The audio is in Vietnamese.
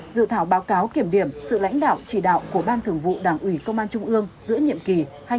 dự thảo báo cáo kiểm điểm sự lãnh đạo chỉ đạo của ban thường vụ đảng ủy công an trung ương giữa nhiệm kỳ hai nghìn hai mươi hai nghìn hai mươi